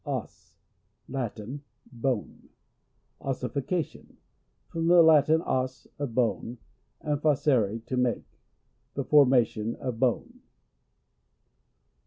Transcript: Os. — Latin. Bone. Ossification. — From the Latin, OS, a bone, and facere, to make. The formation of bone.